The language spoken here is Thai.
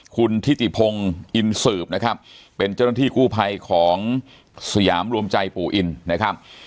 คุณทิติพงศ์อินสืบนะครับเป็นเจ้าหน้าที่กู้ภัยของสยามรวมใจปู่อินนะครับ